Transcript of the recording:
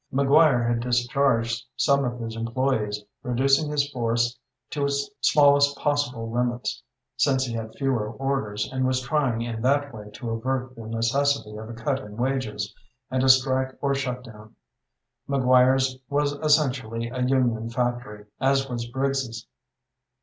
McGuire had discharged some of his employés, reducing his force to its smallest possible limits, since he had fewer orders, and was trying in that way to avert the necessity of a cut in wages, and a strike or shut down. McGuire's was essentially a union factory, as was Briggs's.